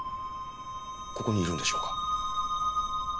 ここにいるんでしょうか？